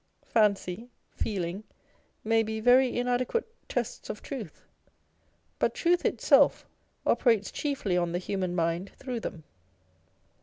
Fancy, feeling may be very inadequate tests of truth ; but truth itself operates chiefly on the human mind through them.